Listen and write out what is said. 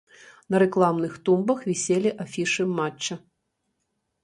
На рэкламных тумбах віселі афішы матча.